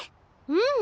うん！